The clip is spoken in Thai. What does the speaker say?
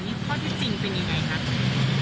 นี่ข้อที่จริงเป็นยังไงครับ